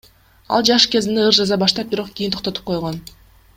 Ал жаш кезинде ыр жаза баштап, бирок кийин токтотуп койгон.